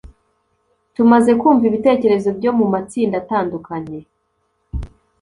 Tumaze kumva ibitekerezo byo mu matsinda atandukanye